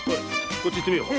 こっち行ってみよう。